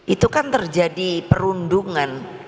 itu kan terjadi perundungan